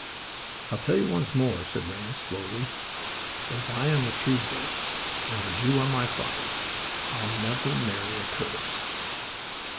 "I'll tell you once more," said Ranse, slowly. "As I am a Truesdell and as you are my father, I'll never marry a Curtis."